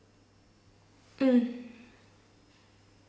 うん。